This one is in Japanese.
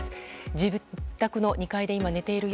自宅の２階で今、寝ているよ